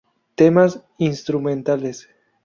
Temas instrumentales